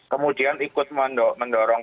kemudian ikut mendorong